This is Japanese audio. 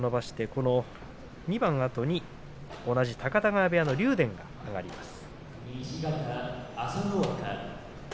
この２番あとに高田川部屋の竜電が上がります。